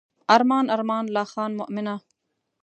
ارمان ارمان لا خان مومنه.